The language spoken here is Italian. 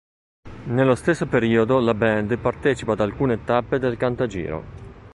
Nello stesso periodo la band partecipa ad alcune tappe del Cantagiro.